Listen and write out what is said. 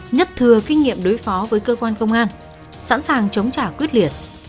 nhất thừa kinh nghiệm đối phó với cơ quan công an sẵn sàng chống trả quyết liệt